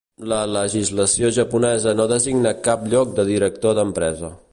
La legislació japonesa no designa cap lloc de director d'empresa.